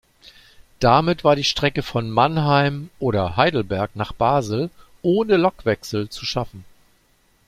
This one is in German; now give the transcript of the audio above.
Damit war die Strecke von Mannheim oder Heidelberg nach Basel ohne Lokwechsel zu schaffen.